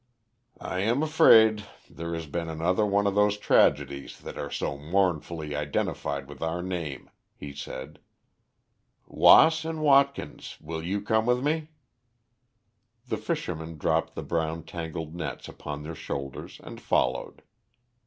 "I am afraid there has been another of those tragedies that are so mournfully identified with our name," he said. "Wass and Watkins, will you come with me?" The fishermen dropped the brown tangled nets upon their shoulders and followed.